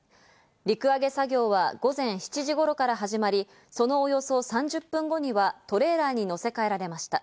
陸揚げ作業は午前７時頃から始まり、そのおよそ３０分後にはトレーラーに載せ替えられました。